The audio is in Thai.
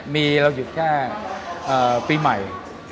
มีเราหยุดแค่ปีใหม่